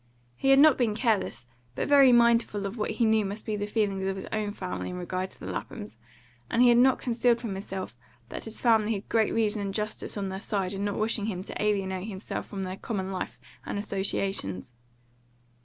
He had not been careless, but very mindful of what he knew must be the feelings of his own family in regard to the Laphams, and he had not concealed from himself that his family had great reason and justice on their side in not wishing him to alienate himself from their common life and associations.